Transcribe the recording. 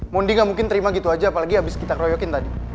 mau dia gak mungkin terima gitu aja apalagi abis kita keroyokin tadi